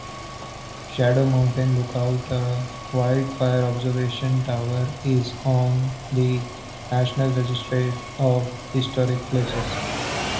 Shadow Mountain Lookouta wildfire observation toweris on the National Register of Historic Places.